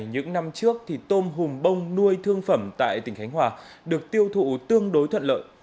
những năm trước thì tôm hùm bông nuôi thương phẩm tại tỉnh khánh hòa được tiêu thụ tương đối thuận lợi